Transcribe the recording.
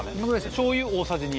しょう油、大さじ２。